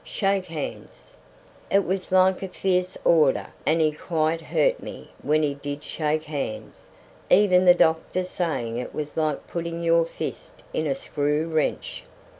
Shake hands." It was like a fierce order, and he quite hurt me when we did shake hands, even the doctor saying it was like putting your fist in a screw wrench.